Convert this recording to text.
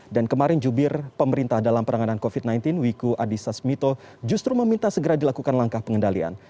dan kemarin jubir pemerintah dalam perangadan covid sembilan belas wiku adhisa smito justru meminta segera dilakukan langkah pengendalian